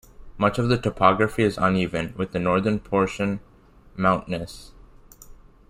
Much of the topography is uneven, with the northern portion mountainous.